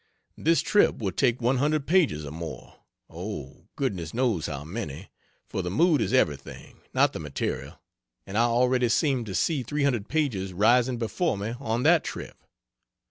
This trip will take 100 pages or more, oh, goodness knows how many! for the mood is everything, not the material, and I already seem to see 300 pages rising before me on that trip.